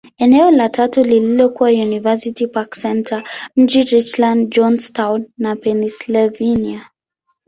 Eneo la tatu lililokuwa University Park Centre, mjini Richland, Johnstown, Pennyslvania.